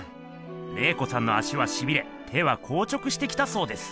麗子さんの足はしびれ手はこう直してきたそうです。